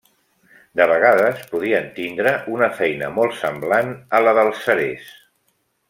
De vegades, podien tindre una feina molt semblant a la dels cerers.